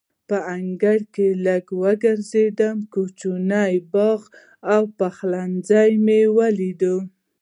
په انګړ کې لږ وګرځېدم، کوچنی باغ او پخلنځی مې ولیدل.